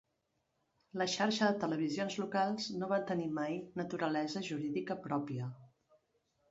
La Xarxa de Televisions Locals no va tenir mai naturalesa jurídica pròpia.